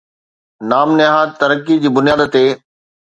نام نهاد ترقي جي بنياد تي